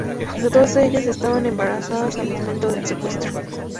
Dos de ellas, estaban embarazadas al momento del secuestro.